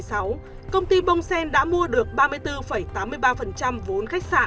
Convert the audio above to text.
công ty bongsen đã mua được ba mươi bốn tám mươi ba vốn khách sạn